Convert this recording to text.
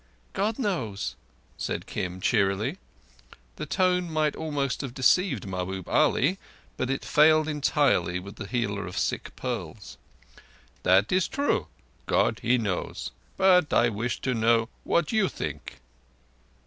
"God knows!" said Kim cheerily. The tone might almost have deceived Mahbub Ali, but it failed entirely with the healer of sick pearls. "That is true. God, He knows; but I wish to know what you think."